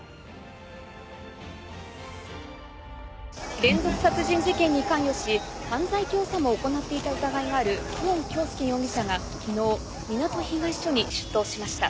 連続殺人事件に関与し犯罪教唆も行っていた疑いがある久遠京介容疑者が昨日港東署に出頭しました。